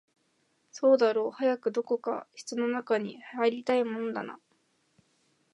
そうだろう、早くどこか室の中に入りたいもんだな